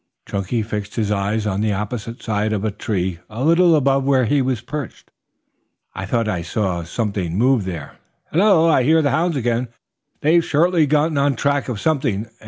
Chunky fixed his eyes on the opposite side of the tree a little above where he was perched. "I thought I saw something move there. Hello, I hear the hounds again. They've surely gotten on track of something.